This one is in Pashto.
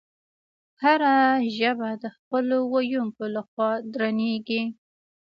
هره ژبه د خپلو ویونکو له خوا درنیږي.